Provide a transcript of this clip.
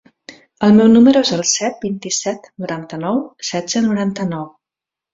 El meu número es el set, vint-i-set, noranta-nou, setze, noranta-nou.